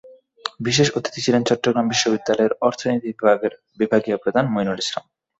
বিশেষ অতিথি ছিলেন চট্টগ্রাম বিশ্ববিদ্যালয়ের অর্থনীতি বিভাগের বিভাগীয় প্রধান মঈনুল ইসলাম।